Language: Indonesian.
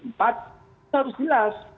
itu harus jelas